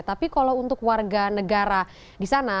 tapi kalau untuk warga negara disana